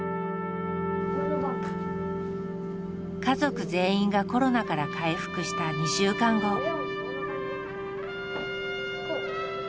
家族全員がコロナから回復した２週間後。